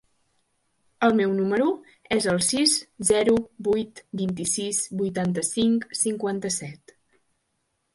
El meu número es el sis, zero, vuit, vint-i-sis, vuitanta-cinc, cinquanta-set.